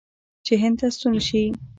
چې هند ته ستون شي.